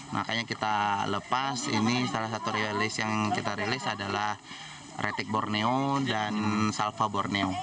makanya kita lepas ini salah satu realis yang kita rilis adalah retik borneo dan salva borneo